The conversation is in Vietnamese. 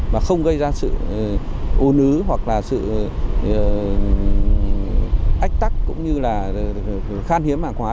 mà không gây ra sự ôn ứ hoặc là sự ách tắc cũng như là khan hiếm hàng hóa